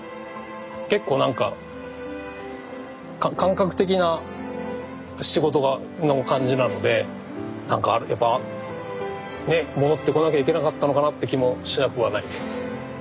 結構何か感覚的な仕事の感じなので何かあるやっぱね戻ってこなきゃいけなかったのかなって気もしなくはないです。